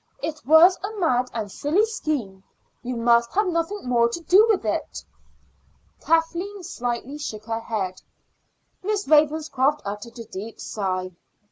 It was a mad and silly scheme. You must have nothing more to do with it." Kathleen slightly shook her head. Miss Ravenscroft uttered a deep sigh.